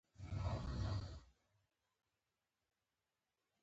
پابندي غرونه د افغانانو د فرهنګي پیژندنې یوه برخه ده.